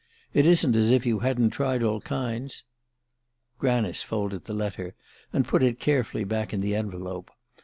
It isn't as if you hadn't tried all kinds " Granice folded the letter and put it carefully back into the envelope.